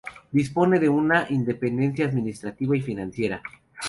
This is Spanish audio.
Dispone de una independencia administrativa y financiera.